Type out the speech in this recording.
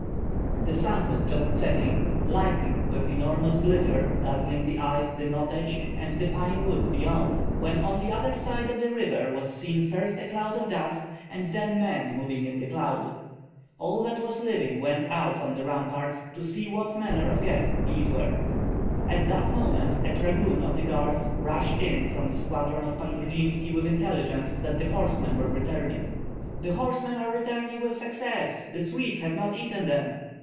The sun was just setting, lighting with enormous glitter, dazzling the eyes, the Notets, and the pine woods beyond, when on the other side of the river was seen first a cloud of dust, and then men moving in the cloud. All that was living went out on the ramparts to see what manner of guests these were. At that moment a dragoon of the guards rushed in from the squadron of Pan Grudzinski with intelligence that the horsemen were returning. "The horsemen are returning with success! The Swedes have not eaten them!"